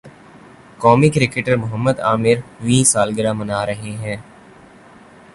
قومی کرکٹر محمد عامر ویں سالگرہ منا رہے ہیں